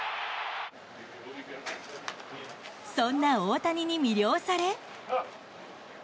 そんな大谷に魅了され。